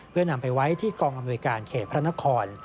เพื่อนำไปไว้ที่กองอำนวยการเขตพระนคร